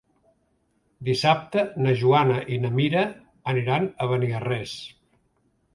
Dissabte na Joana i na Mira aniran a Beniarrés.